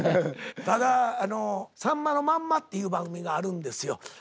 ただ「さんまのまんま」っていう番組があるんですよ。